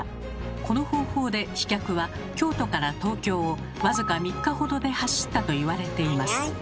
この方法で飛脚は京都から東京を僅か３日ほどで走ったといわれています。